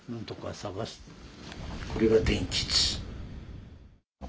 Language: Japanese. これが傳吉。